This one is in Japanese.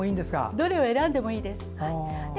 どれを選んでもいいです。